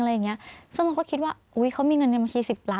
ซึ่งเราก็คิดว่าเค้ามีเงินน่าเฉย๑๐ล้าน